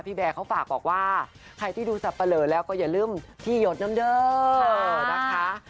แบร์เขาฝากบอกว่าใครที่ดูสับปะเหลอแล้วก็อย่าลืมพี่หยดน้ำเด้อนะคะ